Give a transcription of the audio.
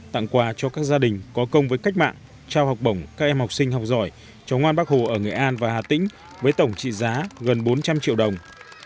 tặng quà cho các gia đình có công với cách mạng trao học bổng các em học sinh học giỏi cho ngoan bắc hồ ở nghệ an và hà tĩnh với tổng trị giá gần bốn trăm linh triệu đồng